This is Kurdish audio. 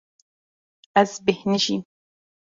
Ez bêhnijîm.